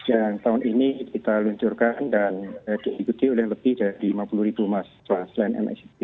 dan tahun ini kita luncurkan dan diikuti oleh lebih dari lima puluh mahasiswa selain msep